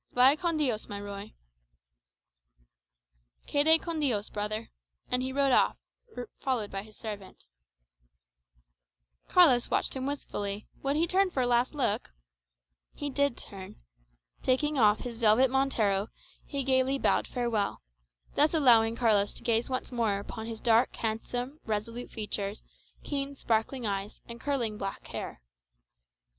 Vaya con Dios, my Ruy." "Quede con Dios,[#] brother;" and he rode off, followed by his servant. [#] Remain with God. Carlos watched him wistfully; would he turn for a last look? He did turn. Taking off his velvet montero, he gaily bowed farewell; thus allowing Carlos to gaze once more upon his dark, handsome, resolute features, keen, sparkling eyes and curling black hair.